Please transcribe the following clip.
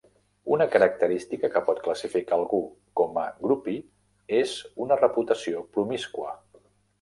Una característica que pot classificar algú com a groupie és una reputació promíscua.